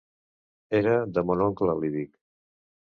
Era de mon oncle, li dic.